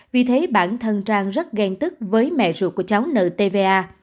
vì thế bản thân trang rất ghen tức với mẹ ruột của cháu nợ tva